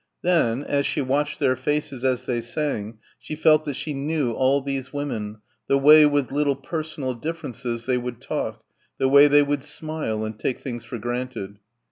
Then as she watched their faces as they sang she felt that she knew all these women, the way, with little personal differences, they would talk, the way they would smile and take things for granted.